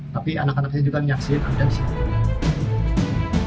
tapi anak anak saya juga menyaksikan ada di sini